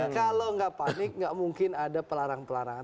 kalau nggak panik nggak mungkin ada pelarang pelarangan